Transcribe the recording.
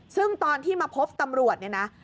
ซึ่งตอนที่มาพบตำรวจเนี่ยนะ